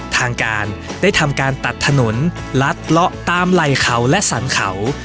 ทางการได้ทำการตัดถนนลัดเลาะตามไหล่เขาและสรรเขา